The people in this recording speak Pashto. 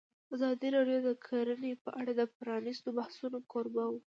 ازادي راډیو د کرهنه په اړه د پرانیستو بحثونو کوربه وه.